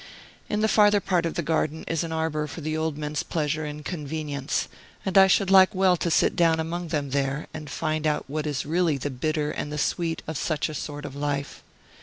In the farther part of the garden is an arbor for the old men's pleasure and convenience, and I should like well to sit down among them there, and find out what is really the bitter and the sweet of such a sort of life.